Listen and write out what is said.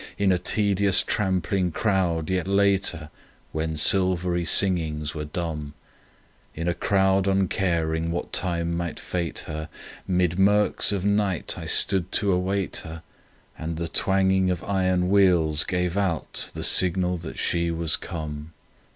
— In a tedious trampling crowd yet later, When silvery singings were dumb; In a crowd uncaring what time might fate her, Mid murks of night I stood to await her, And the twanging of iron wheels gave out the signal that she was come.